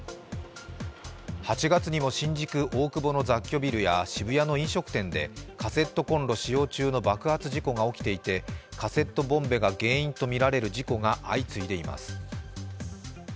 ８月にも新宿・大久保の雑居ビルや渋谷の飲食店でカセットコンロ使用中の爆発事故が起きていてカセットボンベが原因とみられる事故が相次いでいます。